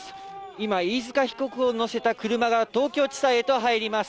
今、飯塚被告を乗せた車が東京地裁へと入ります。